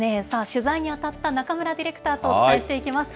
取材に当たった中村ディレクターとお伝えしていきます。